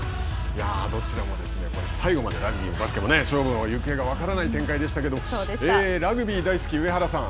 どちらも最後までラグビーもバスケも勝負の行方が分からない展開ですけれどもラグビー大好き上原さん